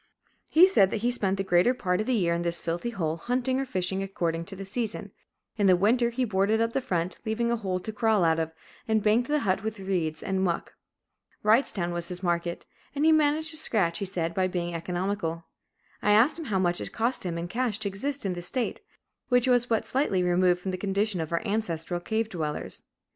He said that he spent the greater part of the year in this filthy hole, hunting or fishing according to the season; in the winter, he boarded up the front, leaving a hole to crawl out of, and banked the hut about with reeds and muck. Wrightstown was his market; and he "managed to scratch," he said, by being economical. I asked him how much it cost him in cash to exist in this state, which was but slightly removed from the condition of our ancestral cave dwellers.